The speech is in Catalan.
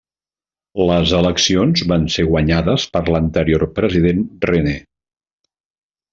Les eleccions van ser guanyades per l'anterior president René.